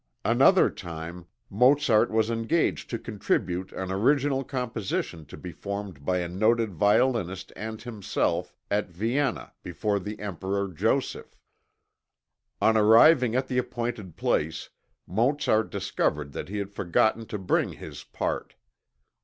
Another time, Mozart was engaged to contribute an original composition to be performed by a noted violinist and himself at Vienna before the Emperor Joseph. On arriving at the appointed place Mozart discovered that he had forgotten to bring his part.